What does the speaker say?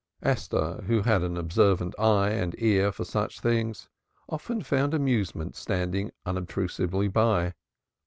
Esther, who had an observant eye and ear for such things, often found amusement standing unobtrusively by.